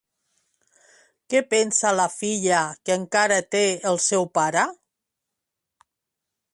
Què pensa la filla que encara té el seu pare?